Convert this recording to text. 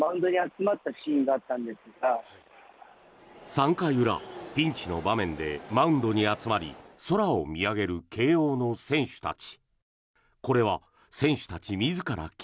３回裏、ピンチの場面でマウンドに集まり空を見上げる慶応の選手たち。